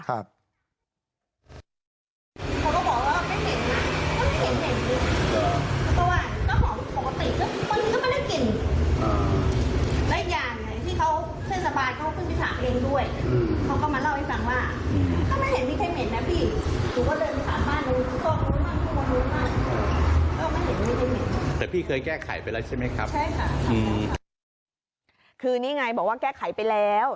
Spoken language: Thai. คือนี่ไงบอกว่าแก้ไขไปแล้ว